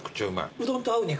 うどんと合う肉？